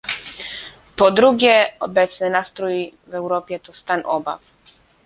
Po drugie, obecny nastrój w Europie to stan obaw